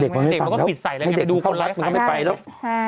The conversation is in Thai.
เด็กมันก็ปิดใส่อะไรอย่างนี้ไปดูคนรักมันก็ไม่ไปแล้ว